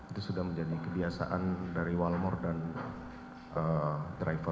itu sudah menjadi kebiasaan dari walmore dan driver